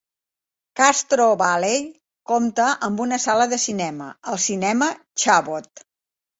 Castro Valley compta amb una sala de cinema, el cinema Chabot.